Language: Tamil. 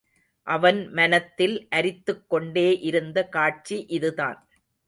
அவன் மனத்தில் அரித்துக் கொண்டே இருந்த காட்சி இதுதான்.